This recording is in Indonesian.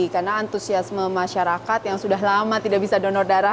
karena antusiasme masyarakat yang sudah lama tidak bisa donor darah